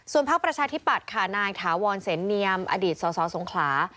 ส่วนภาคประชาธิบัติค่ะนายถาวรเศรษฐ์เนียมอดีตสสสงขลา